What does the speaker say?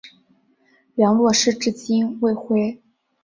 梁洛施至今未婚。